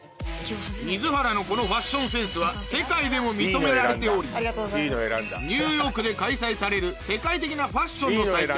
水原のこのファッションセンスは世界でも認められておりニューヨークで開催される世界的なファッションの祭典